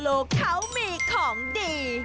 ลูกเขามีของดี